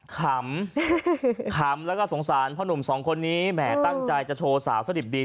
ขำขำแล้วก็สงสารพ่อหนุ่มสองคนนี้แหมตั้งใจจะโชว์สาวสดิบดี